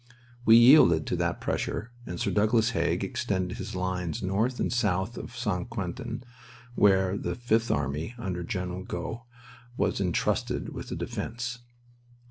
We yielded to that pressure and Sir Douglas Haig extended his lines north and south of St. Quentin, where the Fifth Army, under General Gough, was intrusted with the defense.